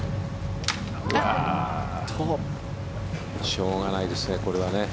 しょうがないですね、これはね。